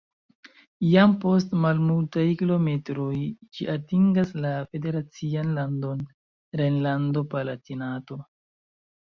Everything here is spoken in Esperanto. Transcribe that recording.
Jam post malmultaj kilometroj ĝi atingas la federacian landon Rejnlando-Palatinato.